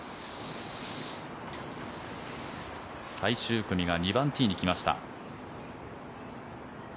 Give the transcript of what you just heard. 最終組が２番ティーに来ました。